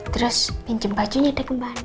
terus pinjem bajunya deh ke mbak andin